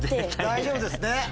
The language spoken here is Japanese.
大丈夫ですね？